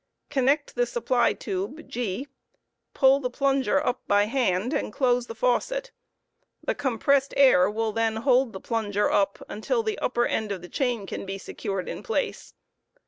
Qonnect the supply tube G; pull up the plunger by hand and close the faucet; the compressed air "will then bold the plunger up until the upper end of the chain can*be scoured in place.